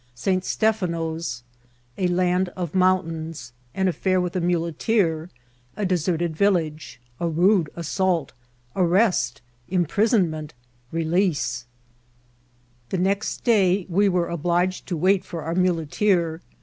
— St Stephanoe.— A Land of Moontains.— An AiEur with a Muleteer.— A deaerted ViUage.— A rode Aaiattlt— Airtat— Impriaonmeot.— Releaae« The next day we were obliged to wait for our mule* teer.